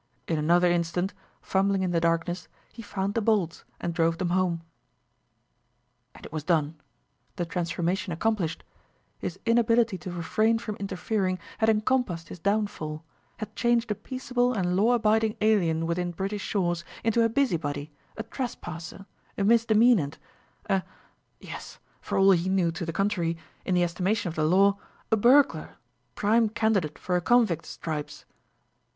In another instant, fumbling in the darkness, he found the bolts and drove them home. And it was done, the transformation accomplished; his inability to refrain from interfering had encompassed his downfall, had changed a peaceable and law abiding alien within British shores into a busybody, a trespasser, a misdemeanant, a yes, for all he knew to the contrary, in the estimation of the Law, a burglar, prime candidate for a convict's stripes!